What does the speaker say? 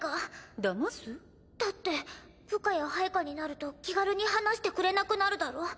騙す？だって部下や配下になると気軽に話してくれなくなるだろ？